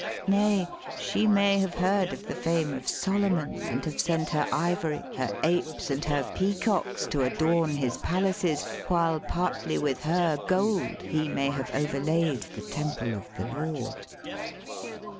Nay, she may have heard of the fame of Solomon, and have sent her ivory, her apes, and her peacocks to adorn his palaces, while partly with her gold he may have overlaid the temple of the Lord."